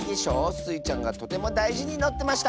スイちゃんがとてもだいじにのってました！